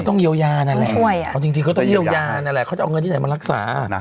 เขาต้องเยียวยานั่นแหละเขาจะเอาเงินที่ไหนมารักษา